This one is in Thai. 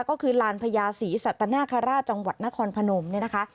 ก็คือลานพญาศรีสัตนคราชจังหวัดนครพนมเนี่ยนะคะ